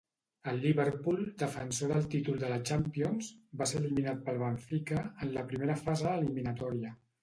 El Liverpool, defensor del títol de la Champions, va ser eliminat pel Benfica, en la primera fase eliminatòria.